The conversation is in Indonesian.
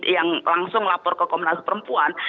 yang langsung lapor ke komnas perempuan